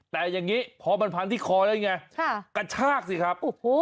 แต่อย่างงี้เพราะมันพันที่คอสิไงกระทรากสิครับ